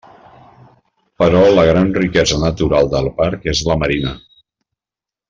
Però la gran riquesa natural del parc és la marina.